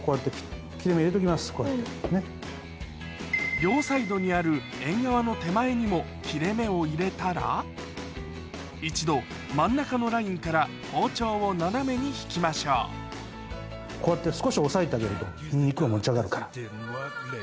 両サイドにあるエンガワの手前にも切れ目を入れたら一度真ん中のラインから包丁を斜めにひきましょうこうやって少し押さえてあげると肉が持ち上がるから。